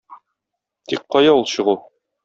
Тик кая ул чыгу!